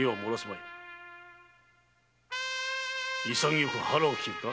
潔く腹を切るか？